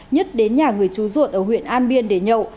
nhất đến nhà người chú ruột ở huyện an biên để nhậu